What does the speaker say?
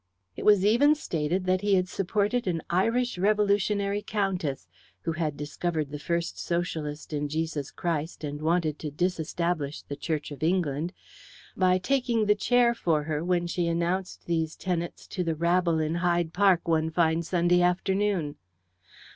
It was even stated that he had supported an Irish revolutionary countess (who had discovered the first Socialist in Jesus Christ, and wanted to disestablish the Church of England) by "taking the chair" for her when she announced these tenets to the rabble in Hyde Park one fine Sunday afternoon.